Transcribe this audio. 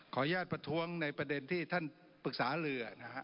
ขอย้าแทนประทวงในประเด็นที่ท่านปรักษาลือ